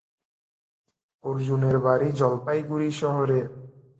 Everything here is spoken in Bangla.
অর্জুনের বাড়ি জলপাইগুড়ি শহরে।